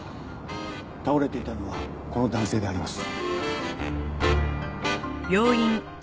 倒れていたのはこの男性であります。